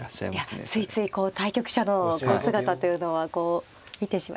いやついついこう対局者の姿というのはこう見てしまいます。